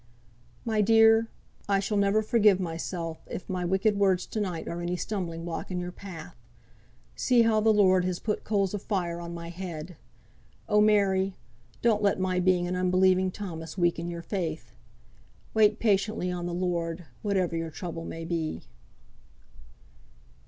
"My dear! I shall never forgive mysel, if my wicked words to night are any stumbling block in your path. See how the Lord has put coals of fire on my head! Oh! Mary, don't let my being an unbelieving Thomas weaken your faith. Wait patiently on the Lord, whatever your trouble may be."